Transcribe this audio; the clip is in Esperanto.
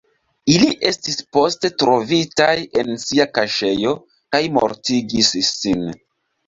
Ili estis poste trovitaj en sia kaŝejo kaj mortigis sin.